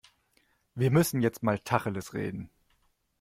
Wir müssen jetzt mal Tacheles reden.